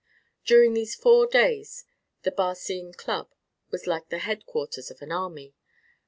During these four days the Barcine Club was like the headquarters of an army.